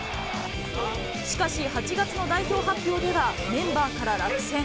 しかし、８月の代表発表ではメンバーから落選。